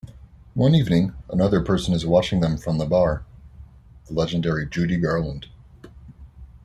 One evening, another person is watching them from the bar: the legendary Judy Garland.